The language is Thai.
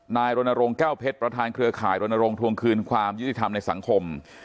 รณรงค์แก้วเพชรประธานเครือข่ายรณรงควงคืนความยุติธรรมในสังคม